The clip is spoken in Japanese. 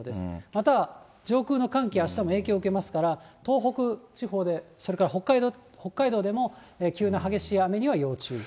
または、上空の寒気、あしたも影響受けますから、東北地方で、それから北海道でも急な激しい雨には要注意。